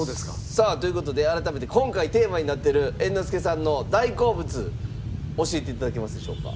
さあという事で改めて今回テーマになってる猿之助さんの大好物教えて頂けますでしょうか？